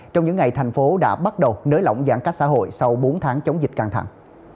trong những ngày thành phố đã bắt đầu nới lỏng giãn cách xã hội sau bốn tháng chống dịch căng thẳng